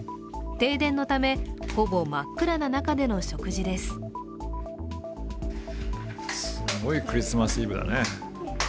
停電のためほぼ真っ暗な中での食事です。